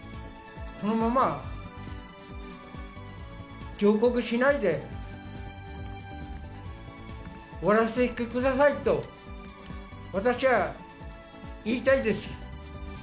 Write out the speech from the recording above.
このまま、上告しないで、終わらせてくださいと、私は言いたいです。